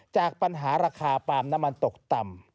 จากปัญหาราคาปาล์มน้ำมันตกต่ำ